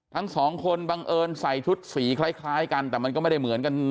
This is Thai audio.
ทั้งสองคนบังเอิญใส่ชุดสีคล้ายกันแต่มันก็ไม่ได้เหมือนกัน